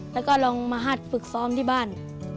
แล้วก็ลองมาหัดฝึกซ้อมที่บ้าน